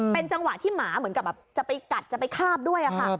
เป็นจังหวะที่หมาเหมือนกับแบบจะไปกัดจะไปคาบด้วยค่ะ